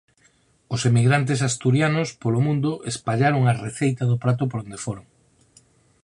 Os emigrantes asturianos polo mundo espallaron a receita do prato por onde foron.